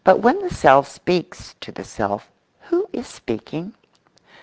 But when the self speaks to the self, who is speaking?